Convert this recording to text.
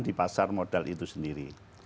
di pasar modal itu sendiri